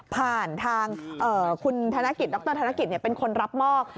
ผ่านทางคุณธนกิจดรธนกิจเป็นคนรับมอบ